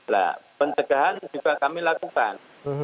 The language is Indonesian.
nah pencegahan juga kami lakukan